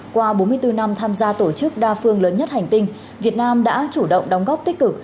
qua bốn mươi bốn năm tham gia tổ chức đa phương lớn nhất hành tinh việt nam đã chủ động đóng góp tích cực